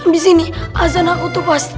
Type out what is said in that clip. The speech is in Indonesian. disini ajan aku tuh pasti pas